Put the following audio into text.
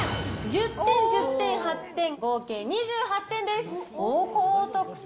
１０点、１０点、８点、合計２８点です。